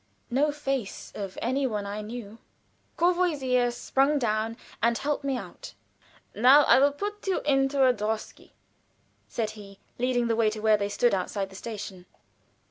No face of any one I knew. Courvoisier sprung down and helped me out. "Now I will put you into a drosky," said he, leading the way to where they stood outside the station.